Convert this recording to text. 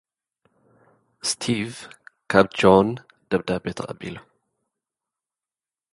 ስቲቭ፡ ካብ ጄን ደብዳበ ተቐቢሉ።